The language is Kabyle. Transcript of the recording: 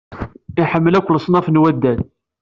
Iḥemmel akk leṣnaf n waddal.